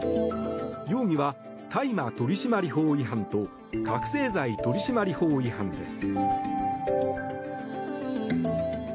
容疑は大麻取締法違反と覚醒剤取締法違反です。